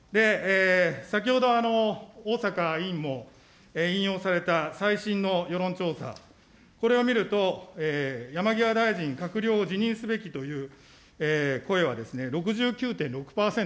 先ほど逢坂委員も引用された最新の世論調査、これを見ると、山際大臣、閣僚を辞任すべきという声は６９．６％です。